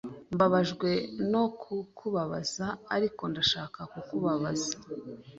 Mbabajwe no kukubabaza, ariko ndashaka kukubaza.